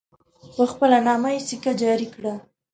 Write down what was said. په خپل نامه یې سکه جاري کړه.